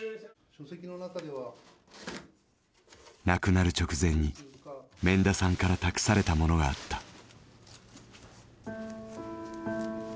亡くなる直前に免田さんから託されたものがあった。